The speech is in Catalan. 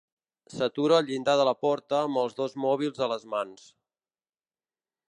S'atura al llindar de la porta amb els dos mòbils a les mans.